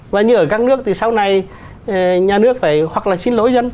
và như ở các nước thì sau này nhà nước phải hoặc là xin lỗi dân